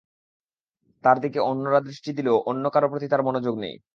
তার দিকে অন্যরা দৃষ্টি দিলেও অন্য কারও প্রতি তার মনোযোগ নেই।